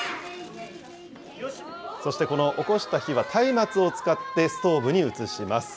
そしてこのおこした火は、たいまつを使って、ストーブに移します。